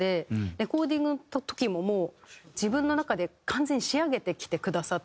レコーディングの時ももう自分の中で完全に仕上げてきてくださって。